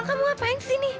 kamu apa yang kesini